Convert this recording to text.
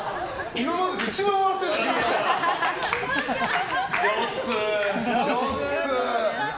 今までで一番笑ってるじゃん。